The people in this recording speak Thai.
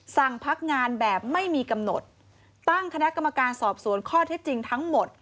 สั่งพักงานแบบไม่มีกำหนดตั้งคณะกรรมการสอบสวนข้อเท็จจริงทั้งหมด